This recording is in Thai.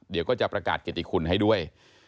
เดี๋ยวก็จะประกาศเกติคุณให้ด้วย